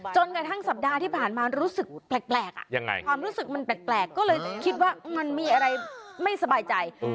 จนกระทั่งสัปดาห์ที่ผ่านมารู้สึกแปลกความรู้สึกมันแปลกก็เลยคิดว่ามันมีอะไรไม่สบายใจ